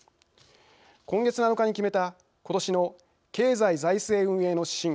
今月７日に決めたことしの経済財政運営の指針